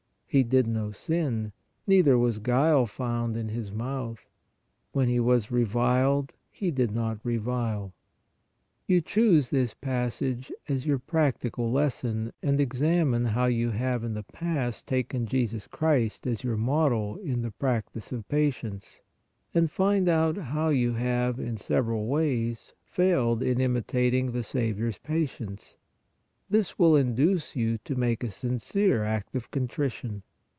He did no sin, neither was guile found in His mouth ; when He was reviled, He did not revile. You choose this pas sage as your practical lesson and examine how you have in the past taken Jesus Christ as your Model in the practice of patience, and find out how you have in several ways failed in imitating the Saviour s patience; this will induce you to make a sincere act of contrition.